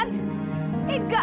kamu bener bener keterlaluan